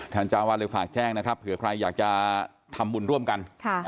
เจ้าวาดเลยฝากแจ้งนะครับเผื่อใครอยากจะทำบุญร่วมกัน